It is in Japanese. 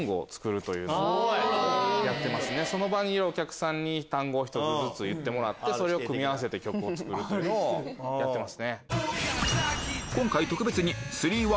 その場にいるお客さんに単語を１つずつ言ってもらってそれを組み合わせて曲を作るというのをやってます。